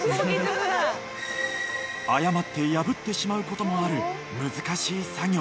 誤って破ってしまう事もある難しい作業。